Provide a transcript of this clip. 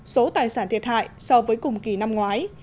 số tài sản thiệt hại so với cùng kỳ năm ngoái